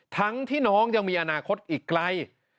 ทั้งที่น้องยังมีอนาคตอีกไกล